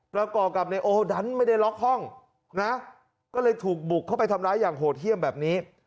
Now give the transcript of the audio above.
ประกอบกับนายโอดันไม่ได้ล็อกห้องนะก็เลยถูกบุกเข้าไปทำร้ายอย่างโหดเยี่ยมแบบนี้